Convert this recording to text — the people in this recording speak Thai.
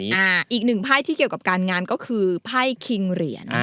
อีกหนึ่งไพ่ที่เกี่ยวกับการงานก็คือไพ่คิงเหรียญ